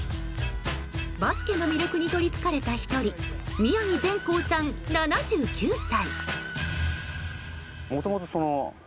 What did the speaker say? バスケの魅力に取りつかれた１人宮城善光さん、７９歳。